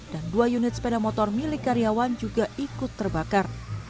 dan dua unit sepeda motor milik karyawan juga ikut terbakar